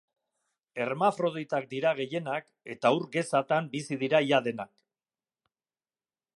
Hermafroditak dira gehienak, eta ur gezatan bizi dira ia denak.